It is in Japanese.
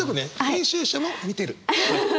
編集者も見てる。